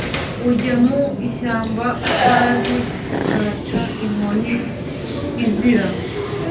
Ujya mu ishyamba utazi ukahaca inkoni izira